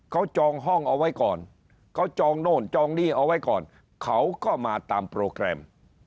เขาจองห้องเอาไว้ก่อนเขาจองโน่นจองหนี้เอาไว้ก่อนเขาก็มาตามโปรแกรม